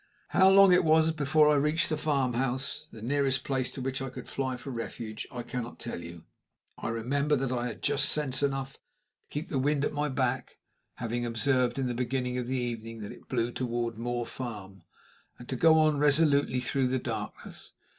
How long it was before I reached the farmhouse the nearest place to which I could fly for refuge I cannot tell you. I remember that I had just sense enough to keep the wind at my back (having observed in the beginning of the evening that it blew toward Moor Farm), and to go on resolutely through the darkness.